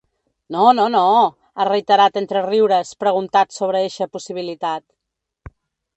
“No, no, no”, ha reiterat entre riures preguntat sobre eixa possibilitat.